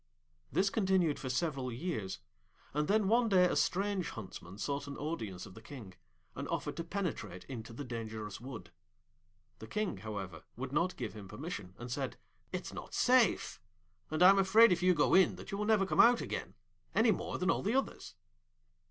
This continued for several years, and then one day a strange Huntsman sought an audience of the King, and offered to penetrate into the dangerous wood. The King, however, would not give him permission, and said, 'It's not safe, and I am afraid if you go in that you will never come out again, any more than all the others.'